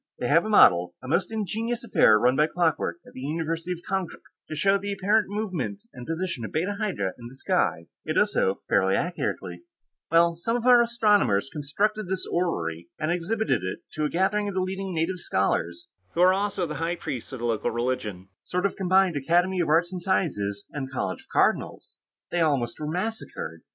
They have a model, a most ingenious affair run by clockwork, at the University of Konkrook, to show the apparent movement and position of Beta Hydrae in the sky; it does so fairly accurately. "Well, some of our astronomers constructed this orrery, and exhibited it to a gathering of the leading native scholars, who are also the high priests of the local religion. Sort of combined Academy of Arts and Sciences and College of Cardinals. They almost were massacred.